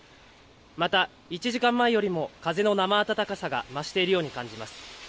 また１時間前よりも風の生暖かさが増しているように感じます。